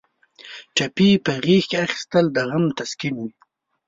ټپي په غېږ کې اخیستل د غم تسکین وي.